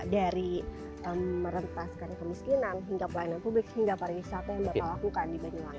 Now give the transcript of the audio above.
dari merentaskan kemiskinan hingga pelayanan publik hingga pariwisata yang bapak lakukan di banyuwangi